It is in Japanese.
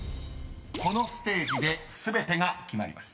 ［このステージで全てが決まります］